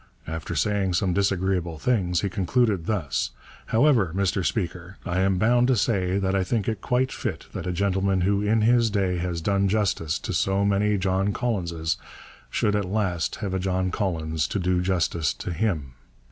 After saying some disagreeable things, he concluded thus: 'However, Mr Speaker, I am bound to say that I think it quite fit that a gentleman who in his day has done justice to so many John Collinses, should at last have a John Collins to do justice to him.'